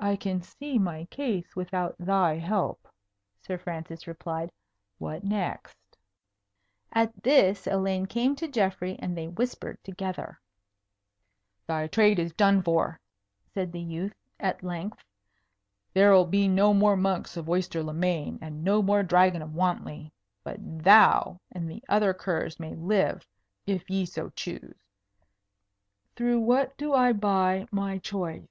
"I can see my case without thy help," Sir Francis replied. "What next?" At this, Elaine came to Geoffrey and they whispered together. [Illustration: The Dragon perceiueth hymself to be entrapped] "Thy trade is done for," said the youth, at length. "There'll be no more monks of Oyster le Main, and no more Dragon of Wantley. But thou and the other curs may live, if ye so choose." "Through what do I buy my choice?"